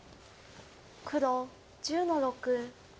黒１０の六。